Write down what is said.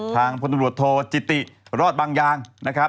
พลตำรวจโทจิติรอดบางยางนะครับ